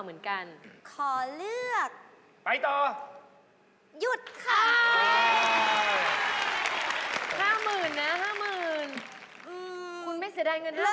คุณไม่เสียดายเงิน๕๐๐๐๐หรอ